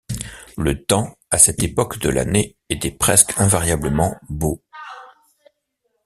Le temps, à cette époque de l’année, était presque invariablement beau.